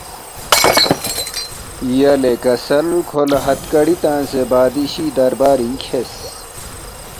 یلے کسل کھو لہ ہتھگڑی تنگسے بادشی دربارِنگ کھیرس